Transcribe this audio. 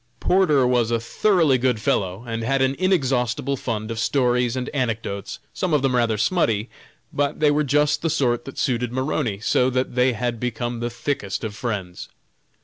Porter was a thoroughly good fellow, and had an inexhaustible fund of stories and anecdotes, some of them rather "smutty," but they were just the sort that suited Maroney, so that they had become the thickest of friends.